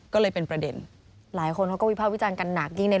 ขาดหัวเนี่ย